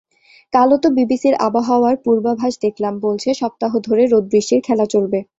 কালও তো বিবিসির আবহাওয়ার পূর্বাভাস দেখলাম—বলছে, সপ্তাহ ধরে রোদ-বৃষ্টির খেলা চলবে।